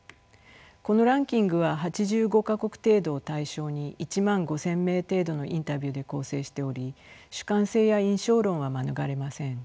このランキングは８５か国程度を対象に１万５，０００名程度のインタビューで構成しており主観性や印象論は免れません。